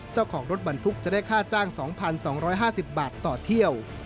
เจ้าของรถบรรทุกจะได้ค่าจ้าง๒๒๕๐บาทต่อเที่ยว